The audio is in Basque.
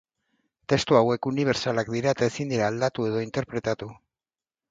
Testu hauek unibertsalak dira eta ezin dira aldatu edo interpretatu.